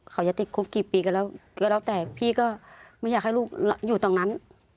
เขาจะติดคุกกี่ปีก็แล้วแต่พี่ก็ไม่อยากให้ลูกอยู่ตรงนั้น